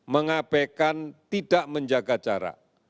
mengabaikan tidak menjaga jarak